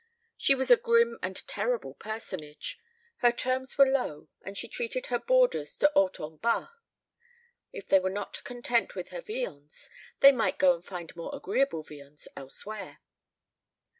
She was a grim and terrible personage. Her terms were low, and she treated her boarders de haute en bas. If they were not content with her viands, they might go and find more agreeable viands elsewhere.